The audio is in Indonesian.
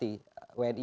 terima kasih pak pak dari